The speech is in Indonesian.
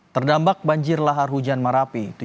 terdampak banjir lahar hujan marapi